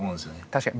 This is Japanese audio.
確かに。